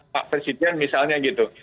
pak presiden misalnya gitu